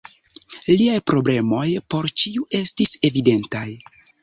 Liaj problemoj por ĉiu estis evidentaj.